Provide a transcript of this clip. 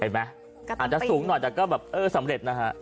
เห็นมั้ยอาจจะสูงหน่อยแต่ก็แบบสำเร็จนะฮะ